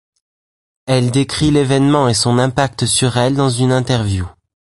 Elle décrit l'événement et son impact sur elle dans une interview.